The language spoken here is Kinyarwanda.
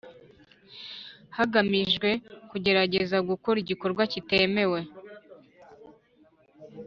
hagamijwe kugerageza gukora igikorwa kitemewe